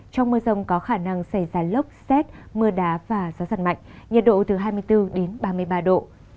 trong mưa rông có khả năng xảy ra lốc xét mưa đá và gió giật mạnh nhiệt độ từ hai mươi bốn đến ba mươi ba độ